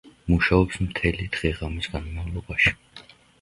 მუშაობს მთელი დღე-ღამის განმავლობაში.